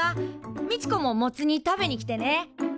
みちこもモツ煮食べに来てね。